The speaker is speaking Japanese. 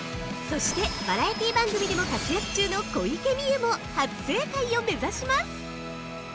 ◆そして、バラエティ番組でも活躍中の小池美由も初正解を目指します◆